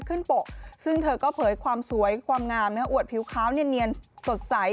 โปะซึ่งเธอก็เผยความสวยความงามอวดผิวขาวเนียนสดใส